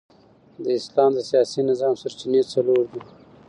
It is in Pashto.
د اسلام د سیاسي نظام سرچینې څلور دي.